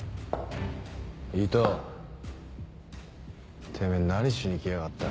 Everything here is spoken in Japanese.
伊藤てめぇ何しに来やがった。